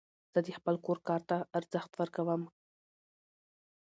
زه د خپل کور کار ته ارزښت ورکوم.